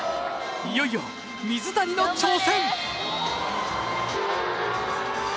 いよいよ水谷の挑戦。